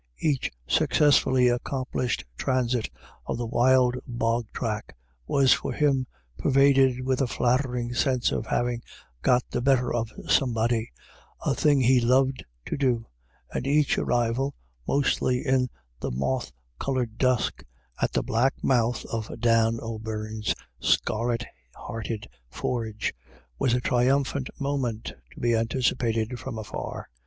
Each successfully accomplished transit of the wild bog tract was for him pervaded with a flattering sense of having "got the better of" somebody — a thing he loved to do — and each arrival, mostly in GOT THE BETTER OF. 109 the moth coloured dusk, at the black mouth of Dan s O'Beirne's scarlet hearted forge was a triumphant s, moment to be anticipated from afar.